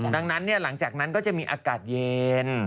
ดังนั้นหลังจากนั้นก็จะมีอากาศเย็น